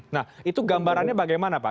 nah itu gambarannya bagaimana pak